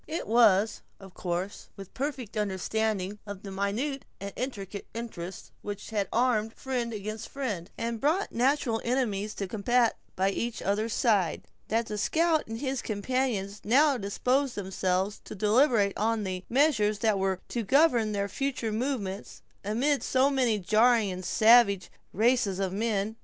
It was, of course, with a perfect understanding of the minute and intricate interests which had armed friend against friend, and brought natural enemies to combat by each other's side, that the scout and his companions now disposed themselves to deliberate on the measures that were to govern their future movements, amid so many jarring and savage races of men.